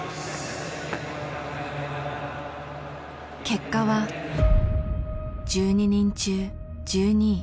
結果は１２人中１２位。